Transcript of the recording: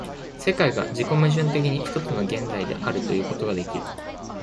世界が自己矛盾的に一つの現在であるということができる。